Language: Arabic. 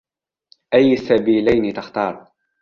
أي السبيلين تختار ؟